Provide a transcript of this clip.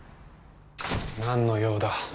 何の用だ？